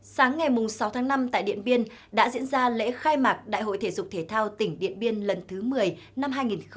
sáng ngày sáu tháng năm tại điện biên đã diễn ra lễ khai mạc đại hội thể dục thể thao tỉnh điện biên lần thứ một mươi năm hai nghìn một mươi chín